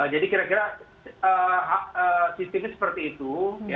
jadi kira kira sistemnya seperti itu